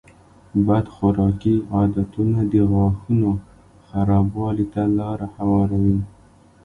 بد خوراکي عادتونه د غاښونو خرابوالي ته لاره هواروي.